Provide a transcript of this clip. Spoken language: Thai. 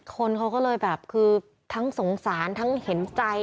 คนเขาก็เลยแบบคือทั้งสงสารทั้งเห็นใจ